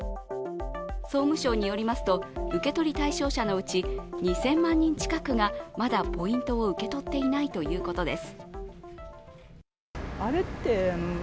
総務省によりますと受け取り対象者のうち２０００万人近くがまだポイントを受け取っていないということです。